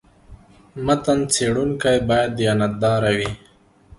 متن څېړونکی باید دیانت داره وي.